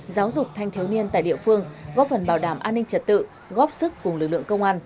giáo dục thanh thiếu niên tại địa phương góp phần bảo đảm an ninh trật tự góp sức cùng lực lượng công an